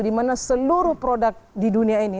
di mana seluruh produk di dunia ini